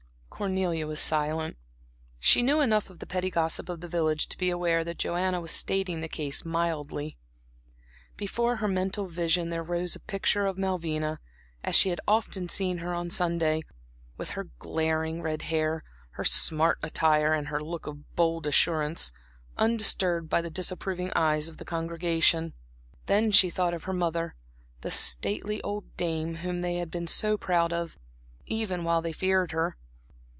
Cornelia was silent. She knew enough of the petty gossip of the village to be aware that Joanna was stating the case mildly. Before her mental vision there rose a picture of Malvina as she had often seen her on Sunday, with her glaring red hair, her smart attire and her look of bold assurance, undisturbed by the disapproving eyes of the congregation. Then she thought of her mother, the stately old dame whom they had been so proud of, even while they feared her.